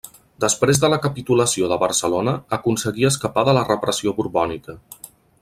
Després de la capitulació de Barcelona aconseguí escapar de la repressió borbònica.